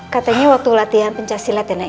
katanya waktu latihan pencah silat ya nak ya